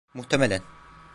Muhtemelen.